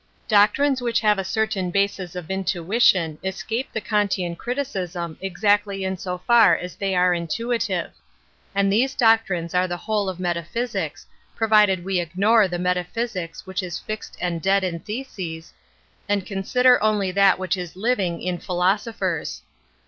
Doctrines which have a certain basis of in tuition escape the Kantian criticism ex actly in so far as they are intuitive; and these doctrines are the whole of meta physics, provided we ignore the metaphysics which is fixed and dead in tkeaea^ and con sider only that which is living in philoao A pkera.